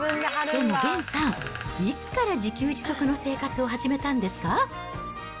でもげんさん、いつから自給自足の生活を始めたんですか？